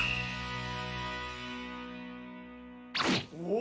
お！